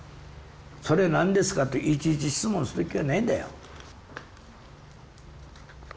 「それ何ですか？」といちいち質問する気はないんだよ。